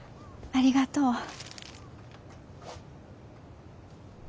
ありがとう。